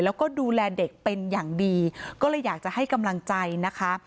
แล้วก็ดูแลเด็กเป็นอย่างดีก็เลยอยากจะให้กำลังใจนะคะ